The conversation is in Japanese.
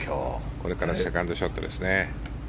これからセカンドショットですね。